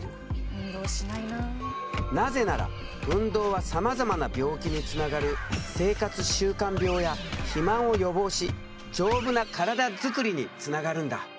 なぜなら運動はさまざまな病気につながる生活習慣病や肥満を予防し丈夫な体作りにつながるんだ。